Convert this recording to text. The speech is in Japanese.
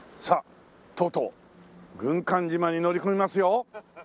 さあとうとう軍艦島に乗り込みますよ。